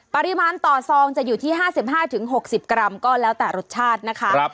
ปริมาณต่อซองจะอยู่ที่๕๕๖๐กรัมก็แล้วแต่รสชาตินะคะ